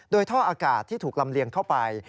โดยท่ออากาศที่ถูกลำเลียงเข้าไป